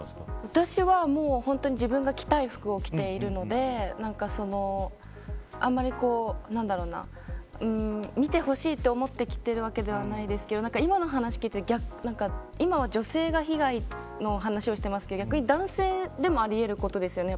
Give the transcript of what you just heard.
私は自分が着たい服を起きているのであんまり見てほしいと思って着ているわけではないですけど今の話を聞いて今は、女性が被害のお話をしてますけど逆に男性でもありえることですよね。